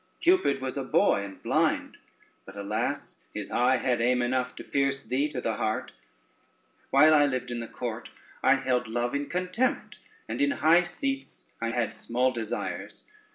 Cupid was a boy and blind; but, alas, his eye had aim enough to pierce thee to the heart. While I lived in the court I held love in contempt, and in high seats I had small desires.